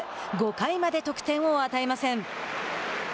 ５回まで得点を与えません。